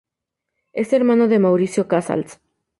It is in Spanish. Es hermano de Mauricio Casals.